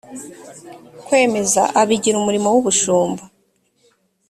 kwemeza abigira umurimo w ubushumba